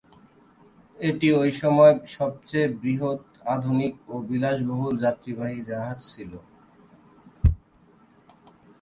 এটি ঐ সময়ের সবচেয়ে বৃহৎ আধুনিক ও বিলাসবহুল যাত্রীবাহী জাহাজ ছিল।